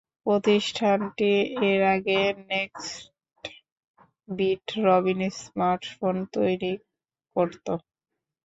প্রতিষ্ঠানটি এর আগে নেক্সটবিট রবিন স্মার্টফোন তৈরি করত।